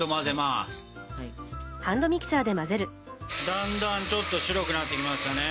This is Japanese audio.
だんだんちょっと白くなってきましたね。